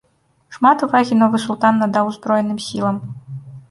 Шмат увагі новы султан надаў узброеным сілам.